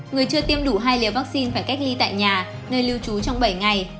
người chưa tiêm đủ hai liều vaccine phải cách ly tại nhà nơi lưu trú trong bảy ngày